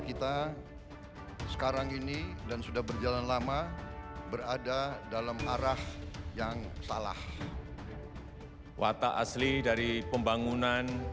kita sekarang ini dan sudah berjalan lama berada dalam arah yang salah watak asli dari pembangunan